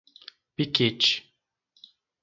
Piquete